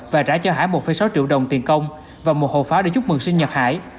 và trả cho hải một sáu triệu đồng tiền công và một hộp pháo để giúp mừng sinh nhật hải